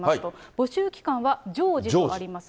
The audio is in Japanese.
募集期間は常時とあります。